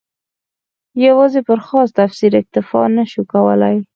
یوازې پر خاص تفسیر اکتفا نه شو کولای.